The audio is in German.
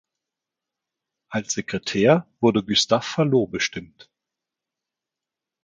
Als Sekretär wurde Gustave Fallot bestimmt.